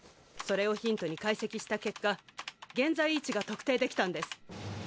それをヒントに解析した結果現在位置が特定できたんです。